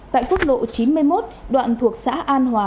tại quốc lộ chín mươi một đoạn thuộc xã an hòa